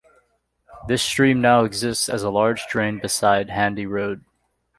This stream now exists as a large drain beside Handy Road.